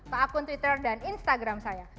ke akun twitter dan instagram saya